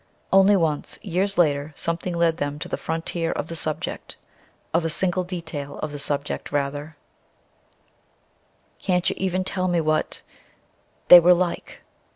Only once, years later, something led them to the frontier of the subject of a single detail of the subject, rather "Can't you even tell me what they were like?"